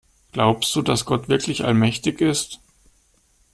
Glaubst du, dass Gott wirklich allmächtig ist?